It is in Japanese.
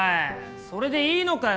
それでいいのかよ